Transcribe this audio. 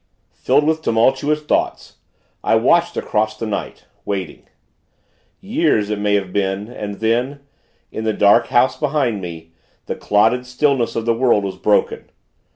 Filled with tumultuous thoughts, I watched across the night waiting. Years, it may have been, and then, in the dark house behind me, the clotted stillness of the world was broken.